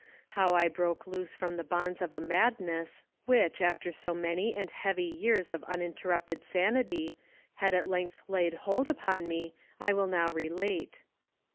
"'How I broke loose from the bonds of a madness, which, after so many and heavy years of uninterrupted sanity, had at length laid hold upon me, I will now relate.